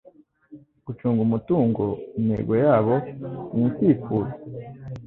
Gucunga umutungo, Intego yabo ni icyifuzo;